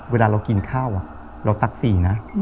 เวลาเรากินข้าวเราตักสีนะ